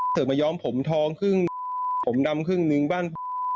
เสริมมาย้อมผมทองครึ่งผมดำครึ่งนึงบ้าง